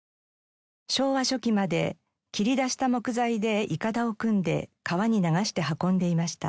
昭和初期まで切り出した木材で筏を組んで川に流して運んでいました。